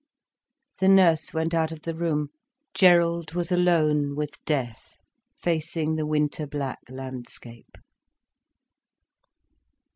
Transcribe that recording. The nurse went out of the room, Gerald was alone with death, facing the winter black landscape.